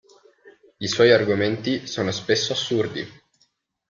I suoi argomenti sono spesso assurdi.